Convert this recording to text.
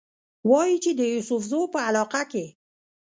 وايي چې د يوسفزو پۀ علاقه کښې